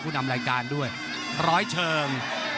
นำรายการด้วยร้อยเชิง